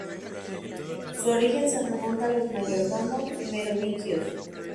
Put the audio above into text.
Su origen se remonta a los "mayordomo" merovingios.